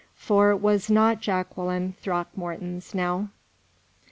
For was not Jacqueline Throckmorton's now?